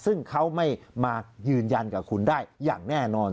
ซึ่งเขาไม่มายืนยันกับคุณได้อย่างแน่นอน